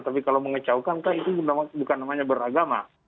tapi kalau mengecaukan kan itu bukan namanya beragama